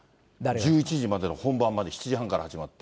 １１時までの本番まで、７時半から始まって。